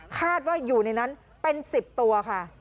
คาดว่าอยู่ในนั้นเป็น๑๐ตัวค่ะ